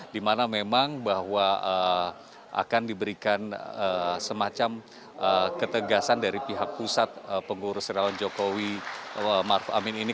dimana memang bahwa akan diberikan semacam ketegasan dari pihak pusat pengurus relawan jokowi maruf amin ini